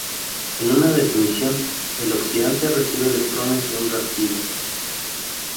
En una definición, el oxidante recibe electrones de un reactivo.